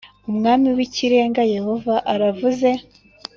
Umwami w ikirenga yehova aravuze